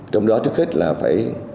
trong đó trước hết là phải